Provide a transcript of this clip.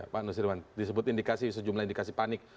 pak nusirwan disebut indikasi sejumlah indikasi panik